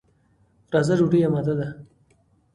راځه، ډوډۍ اماده ده.